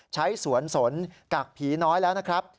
ใช้สวนสนกักผีน้อยแล้วนะครับ